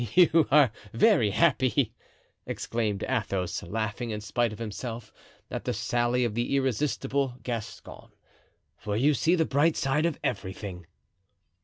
"You are very happy," exclaimed Athos, laughing, in spite of himself, at the sally of the irresistible Gascon; "for you see the bright side of everything."